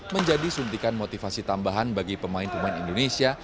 menjadi suntikan motivasi tambahan bagi pemain pemain indonesia